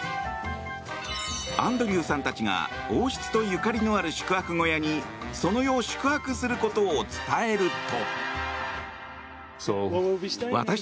アンドリューさんたちが王室とゆかりのある宿泊小屋にその夜、宿泊することを伝えると。